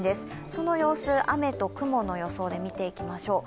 その様子、雨と雲の予想で見ていきましょう。